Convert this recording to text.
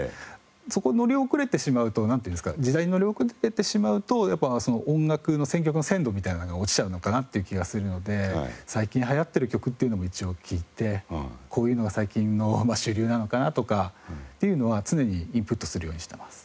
そこ乗り遅れてしまうとなんていうんですか時代に乗り遅れてしまうと音楽の選曲の鮮度みたいなのが落ちちゃうのかなという気がするので最近流行っている曲というのも一応聴いてこういうのが最近の主流なのかなとかというのは常にインプットするようにしています。